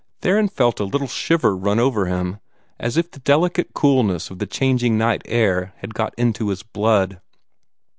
Theron felt a little shiver run over him, as if the delicate coolness of the changing night air had got into his blood.